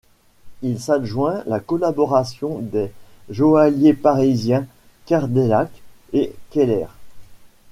Il s'adjoint la collaboration des joailliers parisiens Cardeilhac et Keller.